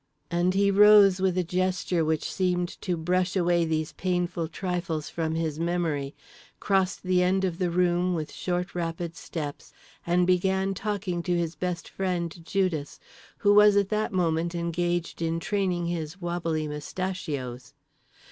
_" And he rose with a gesture which seemed to brush away these painful trifles from his memory, crossed the end of the room with short rapid steps, and began talking to his best friend Judas, who was at that moment engaged in training his wobbly mustachios….